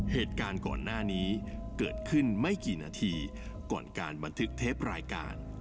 เหตุการณ์ก่อนหน้านี้เกิดขึ้นไม่กี่นาทีก่อนการบันทึกเทปรายการ